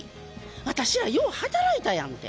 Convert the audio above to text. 私らよう働いたやんって。